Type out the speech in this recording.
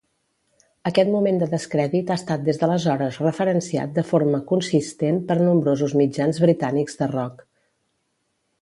Aquest moment de descrèdit ha estat des d'aleshores referenciat de forma consistent per nombrosos mitjans britànics de rock.